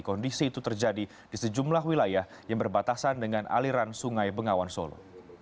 kondisi itu terjadi di sejumlah wilayah yang berbatasan dengan aliran sungai bengawan solo